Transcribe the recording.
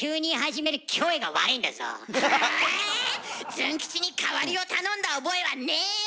ズン吉に代わりを頼んだ覚えはねえわ！